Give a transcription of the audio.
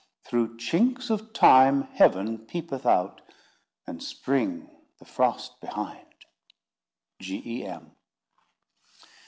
Through chinks of Time, heaven peepeth out, And Spring the frost behind." G. E. M.